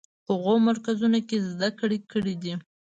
هغو مرکزونو کې زده کړې کړې دي.